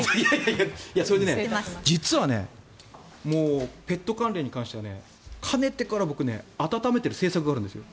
それで、実はペット関連に関してはかねてから僕、温めている政策があるんですよ。